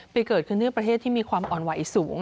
เกิดขึ้นที่ประเทศที่มีความอ่อนไหวสูง